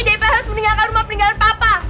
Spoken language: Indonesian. dp harus meninggalkan rumah peninggalan papa